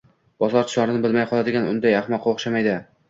– Bosar-tusarini bilmay qoladigan unday ahmoqqa o‘xshamaydi.